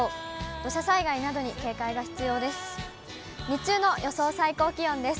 土砂災害などに警戒が必要です。